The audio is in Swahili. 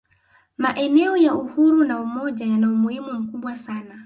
maneno ya uhuru na umoja yana umuhimu mkubwa sana